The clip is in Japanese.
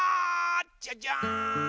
じゃじゃん！